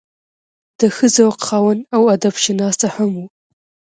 د ښۀ ذوق خاوند او ادب شناس هم وو